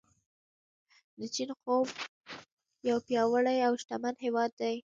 د چین خوب یو پیاوړی او شتمن هیواد دی.